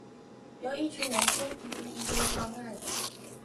由一群人先提出一些方案